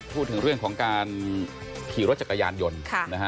พูดถึงเรื่องของการขี่รถจักรยานยนต์นะฮะ